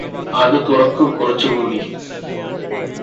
അത് തുറക്കു കുറച്ചു കൂടി